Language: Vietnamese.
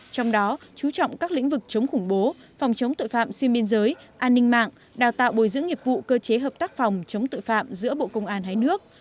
trong đó chú trọng các lĩnh vực chống khủng bố phòng chống tội phạm xuyên biên giới an ninh mạng đào tạo bồi dưỡng nghiệp vụ cơ chế hợp tác phòng chống tội phạm giữa bộ công an hai nước